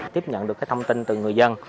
tiếp nhận được thông tin từ người dân